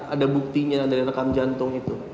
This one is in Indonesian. ada buktinya dari rekam jantung itu